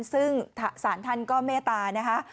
ซึ่งศาลท่านก็เมตตานะคะ